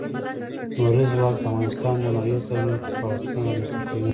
لمریز ځواک د افغانستان د ناحیو ترمنځ تفاوتونه رامنځ ته کوي.